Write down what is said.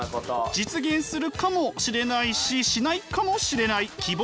実現するかもしれないししないかもしれない希望。